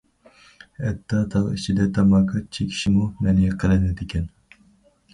ھەتتا تاغ ئىچىدە تاماكا چېكىشمۇ مەنئى قىلىنىدىكەن.